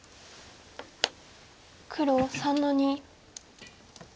黒３の二。